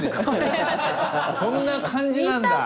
そんな漢字なんだ。